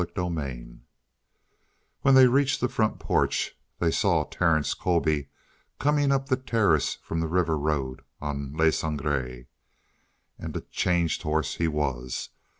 CHAPTER 4 When they reached the front porch, they saw Terence Colby coming up the terrace from the river road on Le Sangre. And a changed horse he was.